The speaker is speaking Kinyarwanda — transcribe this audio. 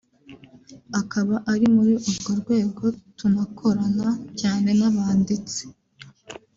akaba ari muri urwo rwego tunakorana cyane n’abanditsi